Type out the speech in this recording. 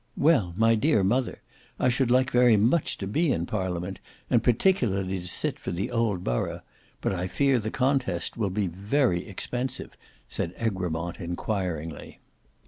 "Well, my dear mother, I should like very much to be in Parliament, and particularly to sit for the old borough; but I fear the contest will be very expensive," said Egremont inquiringly.